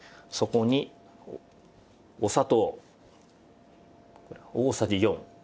そこにお砂糖これ大さじ４。